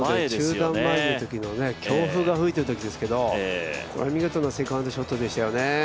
中断前のときの強風が吹いているときですけど、これ見事なセカンドショットでしたよね。